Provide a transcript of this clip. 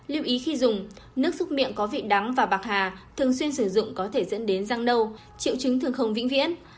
lưu ý khi dùng nước xúc miệng có vị đắng và bạc hà thường xuyên sử dụng có thể dẫn đến răng nâu triệu chứng thường không vĩnh viễn